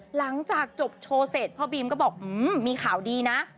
หลังจากจบโชว์เสร็จพ่อบีมก็บอกมีข่าวดีนะ